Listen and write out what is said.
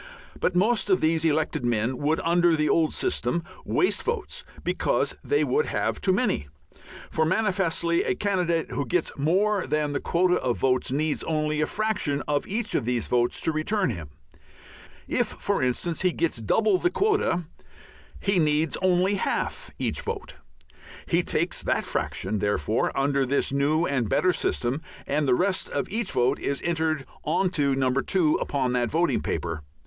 But most of these elected men would under the old system waste votes because they would have too many; for manifestly a candidate who gets more than the quota of votes needs only a fraction of each of these votes to return him. If, for instance, he gets double the quota he needs only half each vote. He takes that fraction, therefore, under this new and better system, and the rest of each vote is entered on to No. 2 upon that voting paper.